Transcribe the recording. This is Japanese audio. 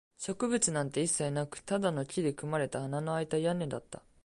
植物なんて一切なく、ただの木で組まれた穴のあいた屋根だった